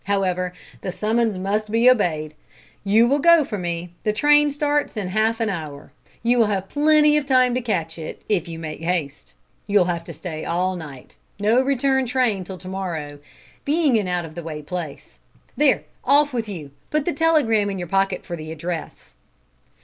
However, the summons must be obeyed. You will go for me. The train starts in half an hour. You will have plenty of time to catch it, if you make haste. You'll have to stay all night. No return train till to morrow, being an out of the way place. There, off with you. Put the telegram in your pocket for the address."